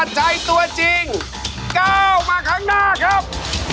เกี่ยวกับคุณครับ